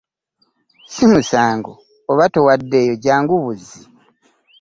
Si musango oba towaddeeyo jangu buzzi.